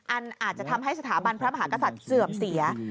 อาจจะทำให้สถาบันพระมหากษัตริย์เสื่อมเสีย